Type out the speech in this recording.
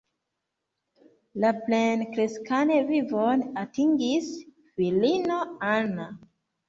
La plenkreskan vivon atingis filino Anna.